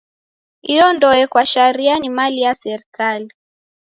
Iyo ndoe kwa sharia ni mali ya serikali.